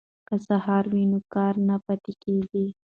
که سهار وي نو کار نه پاتې کیږي.